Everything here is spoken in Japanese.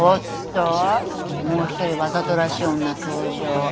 おっともう一人わざとらしい女登場。